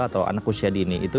atau anak usia dini itu